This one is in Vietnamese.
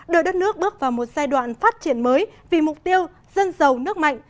đưa đất nước bước vào một giai đoạn phát triển mới vì mục tiêu dân giàu nước mạnh